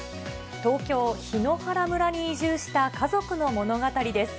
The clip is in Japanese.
東京・檜原村に移住した家族の物語です。